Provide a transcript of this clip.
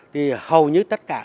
thì hầu như tất cả